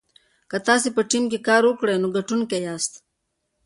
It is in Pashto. که تاسي په ټیم کې کار وکړئ نو ګټونکي یاست.